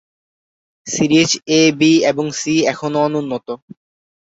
Series A, B এবং C এখনও অনুন্নত।